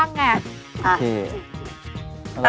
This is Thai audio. ปรุงรสชาติหน่อยก่อนใช่ครับ